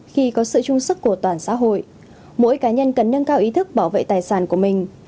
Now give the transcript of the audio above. khi có sự trung sức của toàn xã hội mỗi cá nhân cần nâng cao ý thức bảo vệ tài sản của mình